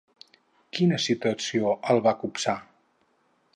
Quina situació el va copsar?